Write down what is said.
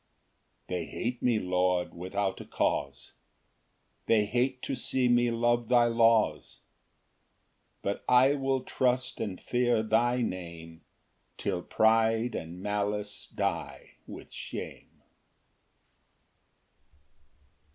3 They hate me, Lord, without a cause, They hate to see me love thy laws: But I will trust and fear thy Name, Till pride and malice die with shame.